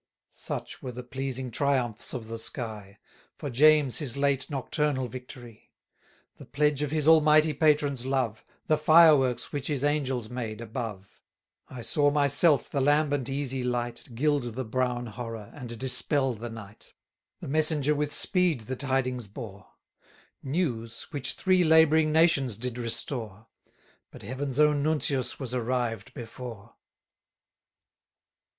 Such were the pleasing triumphs of the sky, For James his late nocturnal victory; The pledge of his Almighty Patron's love, The fireworks which his angels made above. I saw myself the lambent easy light Gild the brown horror, and dispel the night: The messenger with speed the tidings bore; 660 News, which three labouring nations did restore; But Heaven's own Nuntius was arrived before.